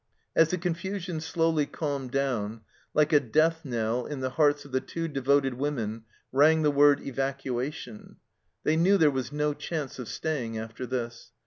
As the confusion slowly calmed down, like a death knell in the hearts of the two devoted women rang the word " Evacuation !" They knew there was no chance of staying after this.